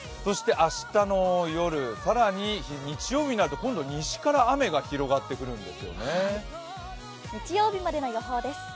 明日の夜、更に日曜日になると今度は西から雨が広がってくるんです。